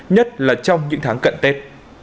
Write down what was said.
nhất là trong những tháng cận tết